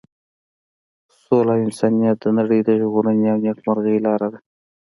سوله او انسانیت د نړۍ د ژغورنې او نیکمرغۍ لاره ده.